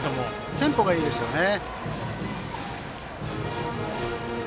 テンポがいいですよね。